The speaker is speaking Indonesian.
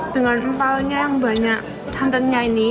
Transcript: dengan empalnya yang banyak santannya ini